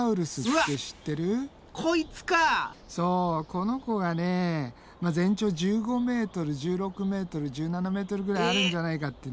この子がね全長１５ｍ１６ｍ１７ｍぐらいあるんじゃないかってね。